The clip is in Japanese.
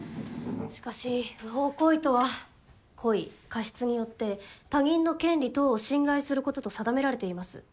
しかし不法行為とは「故意・過失によって他人の権利等を侵害すること」と定められています。